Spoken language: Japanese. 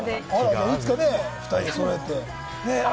いつか２人でそろえて。